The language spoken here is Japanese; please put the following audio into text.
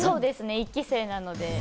１期生なので。